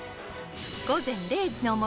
「午前０時の森」